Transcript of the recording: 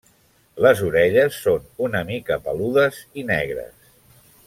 Les orelles són una mica peludes i negres.